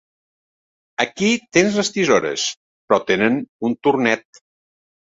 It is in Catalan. Aquí tens les tisores, però tenen un tornet.